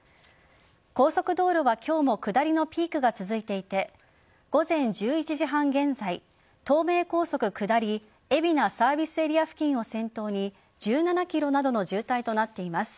高速道路は今日も下りのピークが続いていて午前１１時半現在東名高速下り海老名サービスエリア付近を先頭に１７ｋｍなどの渋滞となっています。